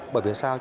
bởi vì sao